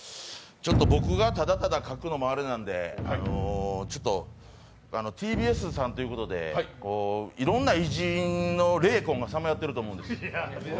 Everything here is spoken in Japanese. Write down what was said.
僕がただただ書くのもあれなんで、ちょっとＴＢＳさんということでいろんな偉人の霊魂がさまよっていると思うんです。